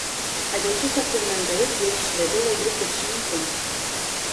Айдоочу сактыгынан тайып жөө кишилерди койдуруп кетиши мүмкүн.